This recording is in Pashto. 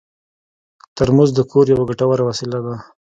ترموز د کور یوه ګټوره وسیله ده.